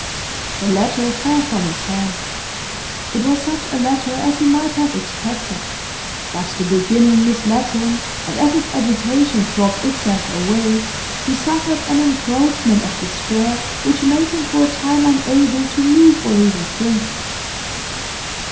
The letter fell from his hand. It was such a letter as he might have expected, but the beginning misled him, and as his agitation throbbed itself away he suffered an encroachment of despair which made him for a time unable to move or even think.